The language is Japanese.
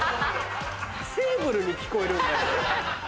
「セーブル」に聞こえるんだよね。